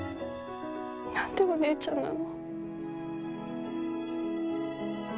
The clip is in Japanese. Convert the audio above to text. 何でお姉ちゃんなの。